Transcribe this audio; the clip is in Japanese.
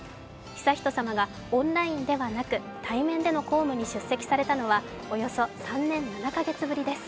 悠仁さまがオンラインではなく対面での公務に出席されたのはおよそ３年７カ月ぶりです。